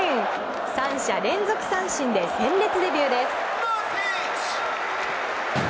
三者連続三振で鮮烈デビューです。